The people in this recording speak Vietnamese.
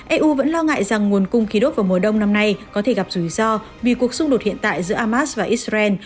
eu vẫn lo ngại rằng nguồn cung khí đốt vào mùa đông năm nay có thể gặp rủi ro vì cuộc xung đột hiện tại giữa hamas và israel